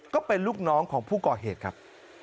ก็เป็นลูกน้องของผู้ก่อเหตุครับ